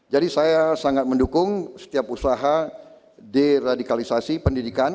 jadi saya sangat mendukung setiap usaha deradikalisasi pendidikan